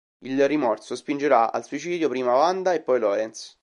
Il rimorso spingerà al suicidio prima Wanda e poi Lorenz.